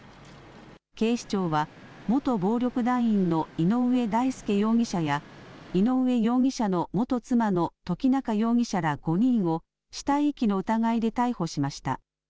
警視庁は元暴力団員の井上大輔容疑者や井上容疑者の元妻の土岐菜夏容疑者ら５人を死体遺棄の疑いで逮捕しました。